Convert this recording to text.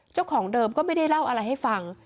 เจ้าของเดิมก็ไม่ได้เล่าอะไรให้ฟัง